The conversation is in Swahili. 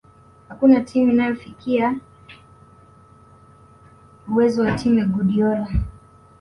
Hakuna timu inayofikia uwezo wa timu ya Guardiola